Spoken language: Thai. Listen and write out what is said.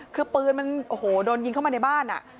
คือปืนมันโอ้โหโดนยิงเข้ามาในบ้าน